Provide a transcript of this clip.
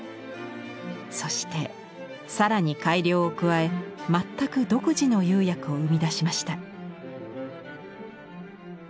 そして更に改良を加え全く独自の釉薬を生み出しました。